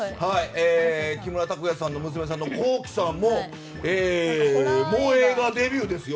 木村拓哉さんの娘さんのＫｏｋｉ，さんも映画デビューですよ。